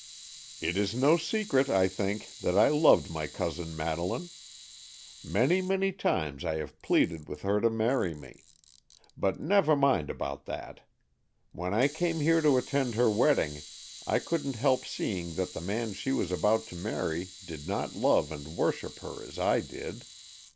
"It is no secret, I think, that I loved my cousin Madeleine. Many, many times I have pleaded with her to marry me. But never mind about that. When I came here to attend her wedding, I couldn't help seeing that the man she was about to marry did not love and worship her as I did.